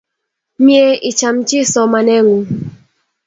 Mye icham chi somanet ng'ung'